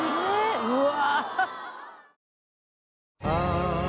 うわ。